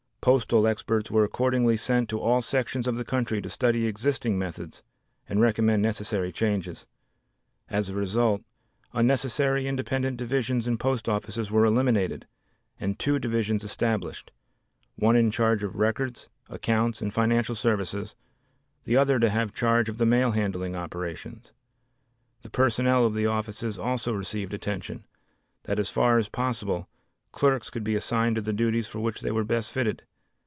Postal experts were accordingly sent to all sections of the country to study existing methods and recommend necessary changes. As a result, unnecessary independent divisions in post offices were eliminated and two divisions established, one in charge of records, accounts and financial services, the other to have charge of the mail handling operations. The personnel of the offices also received attention, that as far as possible, clerks could be assigned to the duties for which they were best fitted.